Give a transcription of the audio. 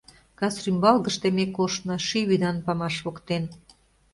Кас рӱмбалгыште ме коштна Ший вӱдан памаш воктен.